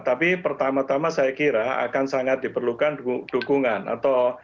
tapi pertama tama saya kira akan sangat diperlukan dukungan atau